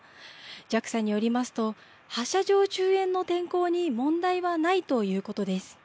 ＪＡＸＡによりますと発射場周辺の天候に問題はないということです。